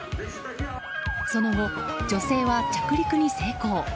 その後、女性は着陸に成功。